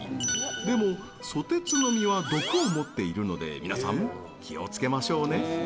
でも、ソテツの実は毒を持っているので皆さん、気をつけましょうね。